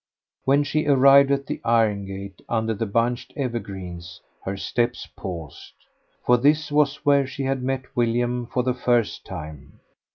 When she arrived at the iron gate under the bunched evergreens, her steps paused. For this was where she had met William for the first time.